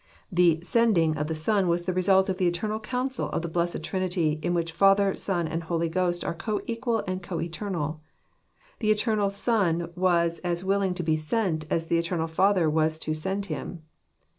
— The " sending of the Son was the result of the eternal counsel of that blessed Trinity, in which Father, Son, and Holy Ghost are co equal and co eternal. The eternal Son was as willing to be "sent" as the eternal Father was to "send" Him.